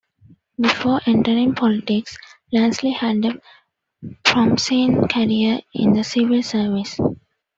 Before entering politics, Lansley had "a promising career in the civil service".